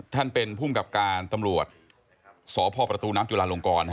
ท่านเป็นภูมิกับการตำรวจสพประตูน้ำจุลาลงกร